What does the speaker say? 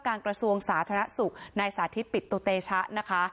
กระทรวงสาธารณสุขนายสาธิตปิตุเตชะนะคะ